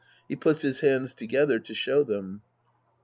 {He puts his hands together to show them.)